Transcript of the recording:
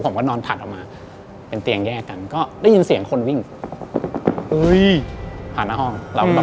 ผมก็นอนถัดออกมาเป็นเตียงแยกกันก็ได้ยินเสียงคนวิ่งผ่านหน้าห้องเราก็แบบ